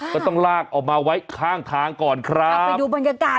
ก็ต้องลากออกมาไว้ข้างทางก่อนครับ